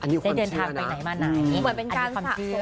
ได้เดินทางไปไหนมาไหนอันนี้ความเชื่อ